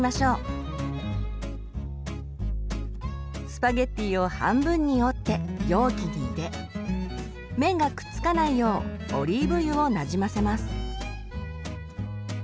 スパゲッティを半分に折って容器に入れ麺がくっつかないようオリーブ油をなじませます。